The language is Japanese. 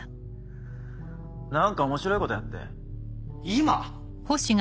何か面白いことやって。